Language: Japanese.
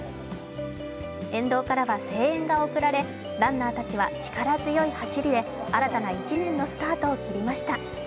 沿道からは声援が送られランナーたちは力強い走りで新たな１年のスタートを切りました